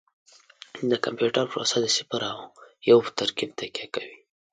د کمپیوټر پروسه د صفر او یو په ترکیب تکیه کوي.